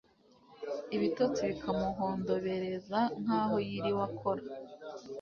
ibitotsi bikamuhondobereza nk'aho yiriwe akora